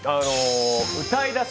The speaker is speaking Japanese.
歌い出し